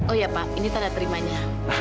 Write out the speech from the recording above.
oh iya pak ini tanda terimanya